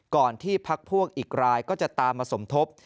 ที่พักพวกอีกรายก็จะตามมาสมทบ